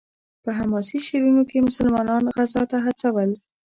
په حماسي شعرونو یې مسلمانان غزا ته هڅول.